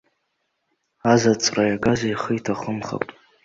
Азаҵәра иагаз ихы иҭахымхап.